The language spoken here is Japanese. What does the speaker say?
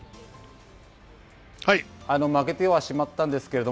負けてはしまったんですけれど